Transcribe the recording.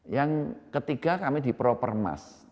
yang ketiga kami di pro permas